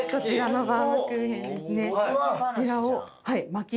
こちらを。